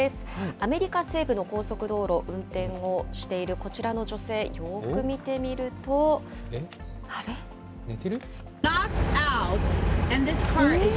アメリカ西部の高速道路、運転をしているこちらの女性、よーく見寝てる？